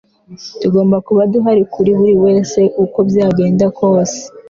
tugomba kuba duhari kuri buri wese uko byagenda kose